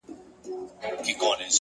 پاس پر پالنگه اكثر”